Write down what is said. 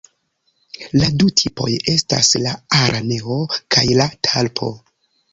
La du tipoj estas la „araneo“ kaj la „talpo“.